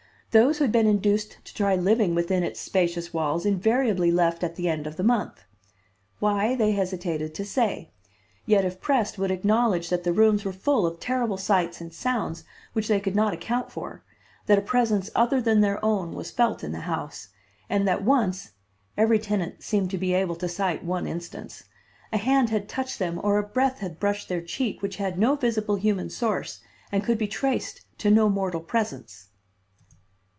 Those who had been induced to try living within its spacious walls invariably left at the end of the month. Why, they hesitated to say; yet if pressed would acknowledge that the rooms were full of terrible sights and sounds which they could not account for; that a presence other than their own was felt in the house; and that once (every tenant seemed to be able to cite one instance) a hand had touched them or a breath had brushed their cheek which had no visible human source, and could be traced to no mortal presence.